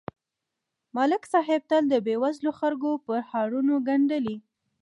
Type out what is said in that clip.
ملک صاحب تل د بېوزلو خلکو پرهارونه گنډلي